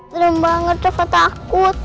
seram banget aku takut